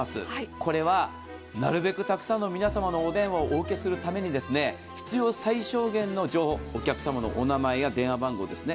これはなるべくたくさんの皆様のお電話をお受けするために、必要最小限の情報、お客様のお名前や電話番号ですね。